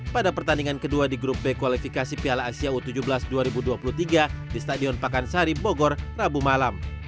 pada pertandingan kedua di grup b kualifikasi piala asia u tujuh belas dua ribu dua puluh tiga di stadion pakansari bogor rabu malam